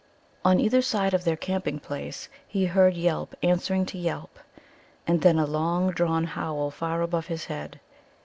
On either side of their camping place he heard yelp answering to yelp, and then a long drawn howl far above his head.